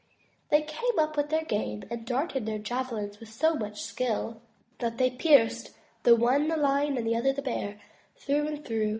They came up with their game and darted their javelins with so much skill, that they pierced, the one the lion and the other the bear, through and through.